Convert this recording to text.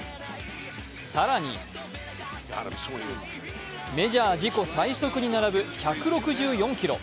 更に、メジャー自己最速に並ぶ１６４キロ。